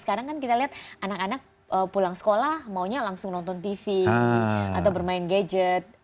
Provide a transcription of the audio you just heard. sekarang kan kita lihat anak anak pulang sekolah maunya langsung nonton tv atau bermain gadget